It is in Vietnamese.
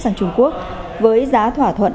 sang trung quốc với giá thỏa thuận